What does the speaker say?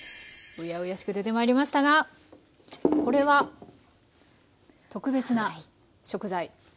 恭しく出てまいりましたがこれは特別な食材。